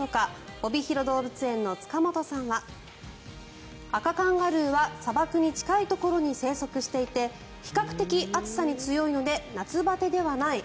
おびひろ動物園の塚本さんはアカカンガルーは砂漠に近いところに生息していて比較的暑さに強いので夏バテではない。